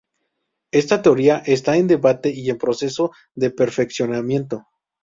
Esta teoría está en debate y en proceso de perfeccionamiento.